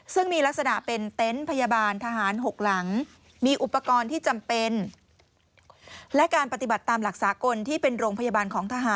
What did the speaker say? ซึ่งมีลักษณะเป็นเต็นต์พยาบาลทหาร๖หลัง